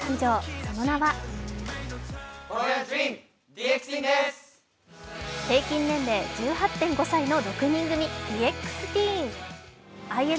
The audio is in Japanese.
その名は平均年齢１８．５歳の６人組、ＤＸＴＥＥＮ。